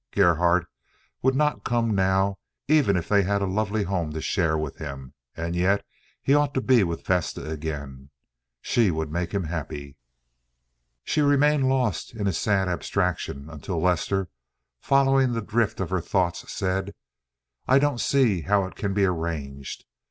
Gerhardt would not come now, even if they had a lovely home to share with him. And yet he ought to be with Vesta again. She would make him happy. She remained lost in a sad abstraction, until Lester, following the drift of her thoughts, said: "I don't see how it can be arranged.